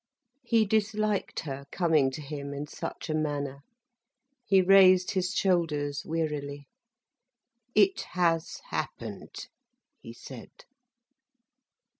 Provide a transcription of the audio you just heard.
He disliked her coming to him in such a manner. He raised his shoulders wearily. "It has happened," he said.